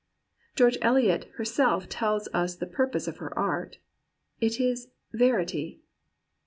George Eliot herself tells us the purpose of her art — it is verity.